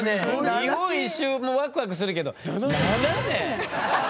日本一周もワクワクするけど７年！